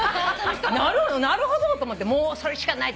なるほどと思ってそれしかないと。